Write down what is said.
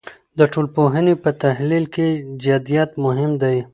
د ټولنپوهنې په تحلیل کې جدیت مهم دی.